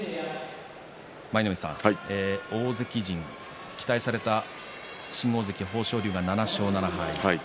舞の海さん、大関陣、期待された新大関豊昇龍が７勝７敗。